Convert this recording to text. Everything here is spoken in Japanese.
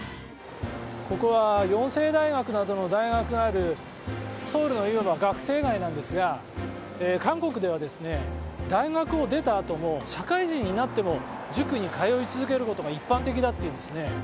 ここは延世大学などの大学があるソウルのいわば学生街なんですが韓国では大学を出たあとも社会人になっても塾に通い続けることが一般的だというんですね。